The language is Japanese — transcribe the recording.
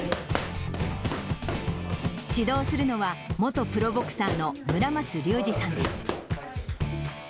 指導するのは、元プロボクサーの村松竜二さんです。